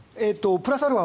プラスアルファ